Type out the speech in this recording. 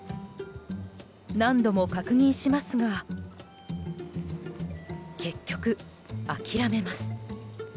何度も確認しますが結局、諦めます。